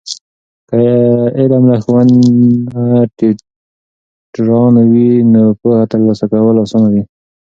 که علم له ښوونه ټیټرانو وي، نو پوهه ترلاسه کول آسانه دی.